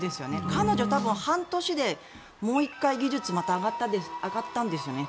彼女は半年でもう１回技術また上がったんですよね。